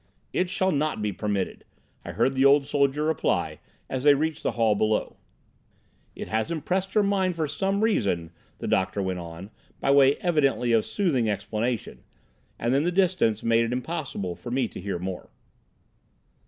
"It shall not be permitted," I heard the soldier reply, as they reached the hall below. "It has impressed her mind for some reason—" the doctor went on, by way evidently of soothing explanation, and then the distance made it impossible for me to hear more.